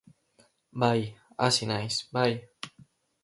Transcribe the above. Bai, hasi naiz, bai.